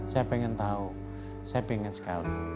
saya pengen tahu saya pengen sekali